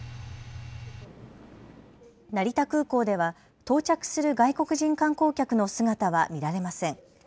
成田空港では到着する外国人観光客の姿は見られません。